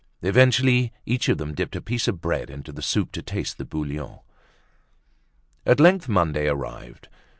Eventually each of them dipped a piece of bread into the soup to taste the bouillon. At length Monday arrived.